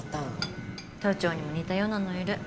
都庁にも似たようなのいる。